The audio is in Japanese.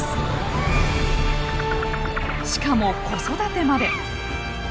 しかも子育てまで。